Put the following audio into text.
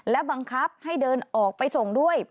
และบังคับให้เดินออกไปส่งด้วย